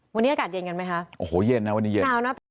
วันนี้อากาศเย็นกันไหมคะโอ้โหเย็นนะวันนี้เย็นหนาวนะ